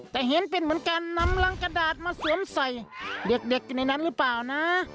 แต่เห็นเป็นเหมือนการนำรังกระดาษมาสวมใส่เด็กอยู่ในนั้นหรือเปล่านะ